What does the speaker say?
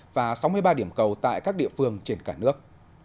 và sáu mươi ba điểm cầu tại các địa phương trên cả nước